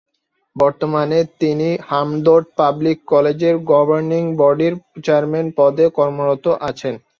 বর্তমানে তিনি হামদর্দ পাবলিক কলেজের গভর্নিং বডির চেয়ারম্যান পদে কর্মরত আছেন।